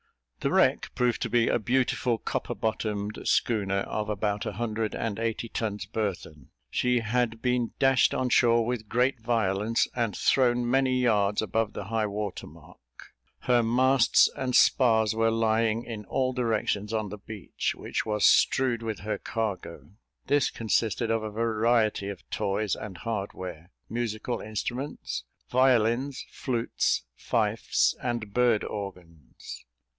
The wreck proved to be a beautiful copper bottomed schooner, of about a hundred and eighty tons burthen. She had been dashed on shore with great violence, and thrown many yards above the high water mark. Her masts and spars were lying in all directions on the beach, which was strewed with her cargo. This consisted of a variety of toys and hardware, musical instruments, violins, flutes, fifes, and bird organs.